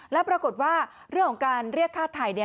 แล้วปรากฏว่าเรื่องของการเรียกฆ่าไทย